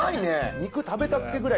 肉食べたっけ？ぐらい